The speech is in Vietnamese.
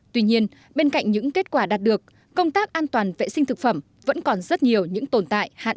tuy nhiên bên cạnh những kết quả đạt được công tác an toàn vệ sinh thực phẩm vẫn còn rất nhiều những tồn tại hạn chế